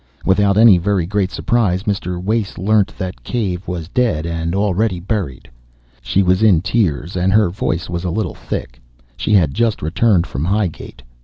Without any very great surprise Mr. Wace learnt that Cave was dead and already buried. She was in tears, and her voice was a little thick. She had just returned from Highgate.